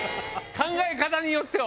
⁉考え方によっては。